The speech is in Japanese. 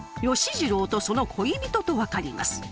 芳次郎とその恋人と分かります。